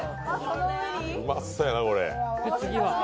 うまそうやな、これ。